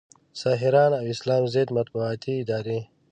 ساحران او اسلام ضد مطبوعاتي ادارې